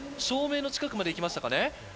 照明の近くまで行きましたかね。